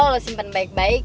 lo simpen baik baik